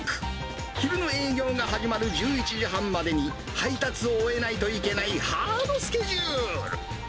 昼の営業が始まる１１時半までに配達を終えないといけないハードスケジュール。